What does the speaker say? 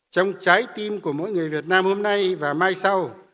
trong trái tim của mỗi người việt nam hôm nay và mai sau